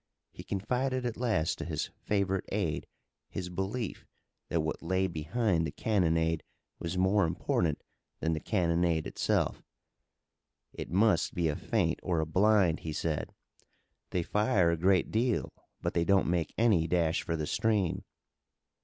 He confided at last to his favorite aide his belief that what lay behind the cannonade was more important than the cannonade itself. "It must be a feint or a blind," he said. "They fire a great deal, but they don't make any dash for the stream.